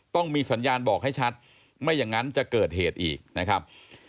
ต้องมีสัญญาณบอกให้ชัดไม่อย่างนั้นจะเกิดเหตุอีกนะครับ